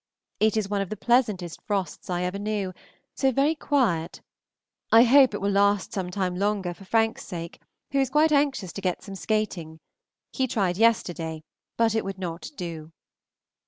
It is one of the pleasantest frosts I ever knew, so very quiet. I hope it will last some time longer for Frank's sake, who is quite anxious to get some skating; he tried yesterday, but it would not do.